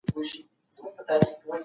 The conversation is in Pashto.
حکومت د خنډونو په لري کولو لګيا دی.